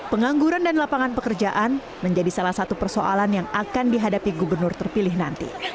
pengangguran dan lapangan pekerjaan menjadi salah satu persoalan yang akan dihadapi gubernur terpilih nanti